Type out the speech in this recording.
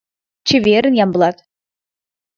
Чеверын, Ямблат!